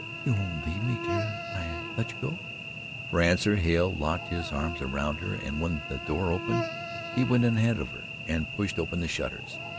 You won't leave me, dear, if I let you go?" For answer Hale locked his arms around her, and when the door opened, he went in ahead of her and pushed open the shutters.